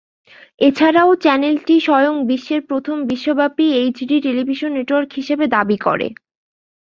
এছাড়াও চ্যানেলটি স্বয়ং বিশ্বের প্রথম বিশ্বব্যাপী এইচ ডি টেলিভিশন নেটওয়ার্ক হিসেবে দাবি করে।